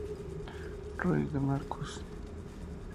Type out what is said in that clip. Ruiz de Marcos.